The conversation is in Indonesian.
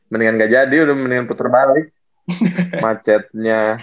mendingan gak jadi udah mendingan puter balik macetnya